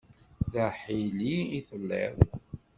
D aḥili i telliḍ.